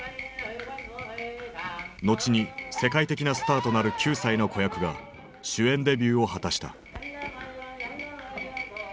後に世界的なスターとなる９歳の子役が主演デビューを果たした。